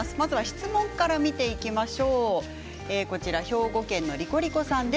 質問から見ていきましょう。